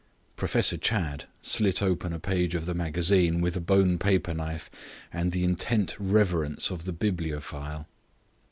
Professor Chadd slit open a page of the magazine with a bone paper knife and the intent reverence of the bibliophile.